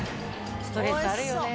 ストレスあるよね。